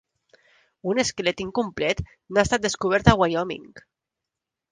Un esquelet incomplet n'ha estat descobert a Wyoming.